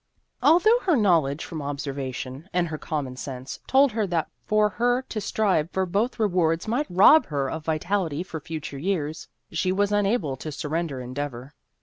Although her knowledge from observation, and her common sense, told her that for her to strive for both rewards might rob her of vitality for future years, she was unable to surrender endeavor.